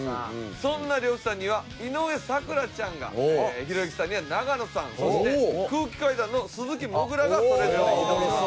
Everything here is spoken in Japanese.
そんな呂布さんには井上咲楽ちゃんがひろゆきさんには永野さんそして空気階段の鈴木もぐらがそれぞれ挑みます。